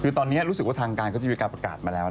คือตอนนี้รู้สึกว่าทางการก็จะมีการประกาศมาแล้ว